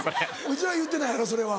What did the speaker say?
内田は言うてないやろそれは。